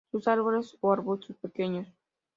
Son árboles o arbustos pequeños.